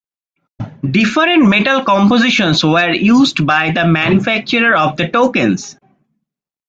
Different metal compositions were used by the manufacturer of the tokens.